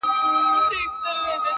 هلته پاس چي په سپوږمـۍ كــي.!